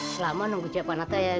selama nunggu siapa nata ya